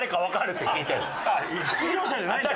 出場者じゃないんだ。